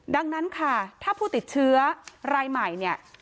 ดังนั้นค่ะถ้าผู้ติดเชื้อรายใหม่เนี่ย